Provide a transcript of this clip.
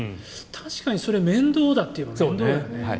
確かにそれは面倒だと言えば面倒だよね。